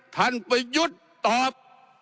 ท่านประยุทธ์ตอบ